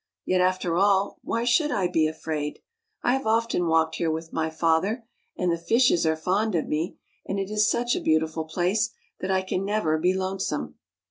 Yet, after all, why should I be afraid? I have often walked here with my father, and the fishes are fond of me, and it is such a beautiful place that I can never be lonesome."